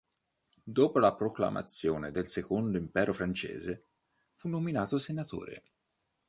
Dopo la proclamazione del Secondo Impero francese, fu nominato senatore.